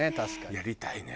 やりたいね。